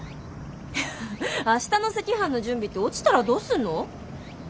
明日の赤飯の準備って落ちたらどうすんの？